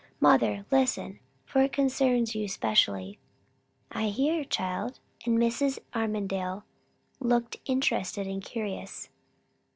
Mother, listen, for it concerns you specially." "I hear, child." And Mrs. Armadale looked interested and curious.